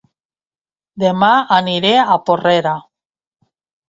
Dema aniré a Porrera